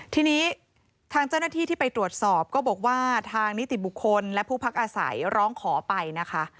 ทีนี้ทางเจ้าหน้าที่ที่ไปตรวจสอบก็บอกว่าทางนิติบุคคลและผู้พักอาศัยร้องขอไปนะคะ